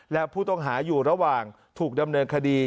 และผู้ต้องหาอยู่ระหว่างถูกดำเนินคดี